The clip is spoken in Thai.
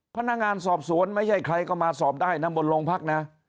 พนักงานสอบสวนไม่ใช่ใครก็มาสอบได้นะบนโรงพักนะ